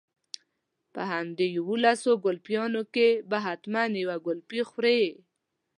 په همدې يوولسو ګلپيانو کې به حتما يوه ګلپۍ خورې.